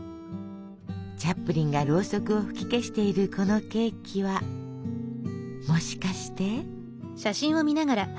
チャップリンがロウソクを吹き消しているこのケーキはもしかして？